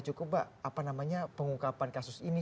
cukup mbak apa namanya pengungkapan kasus ini